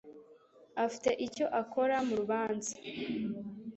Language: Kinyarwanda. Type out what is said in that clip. Afite icyo akora murubanza